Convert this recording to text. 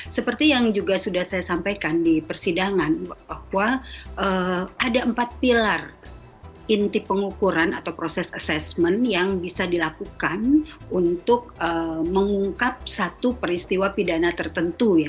seperti yang juga sudah saya sampaikan di persidangan bahwa ada empat pilar inti pengukuran atau proses assessment yang bisa dilakukan untuk mengungkap satu peristiwa pidana tertentu ya